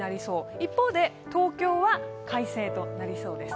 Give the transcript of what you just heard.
一方で東京は快晴となりそうです。